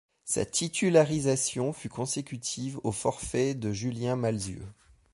Sa titularisation fut consécutive au forfait de Julien Malzieu.